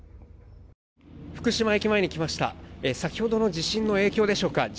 福島駅前に来ました先ほどの地震の影響でしょうか